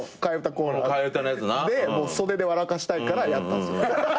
コーナーで袖で笑かしたいからやったんすよ。